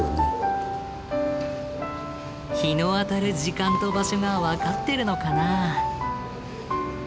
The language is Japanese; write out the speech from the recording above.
日の当たる時間と場所が分かってるのかな？